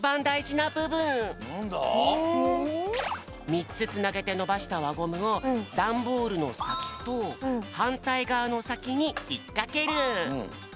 みっつつなげてのばしたわゴムをダンボールのさきとはんたいがわのさきにひっかける！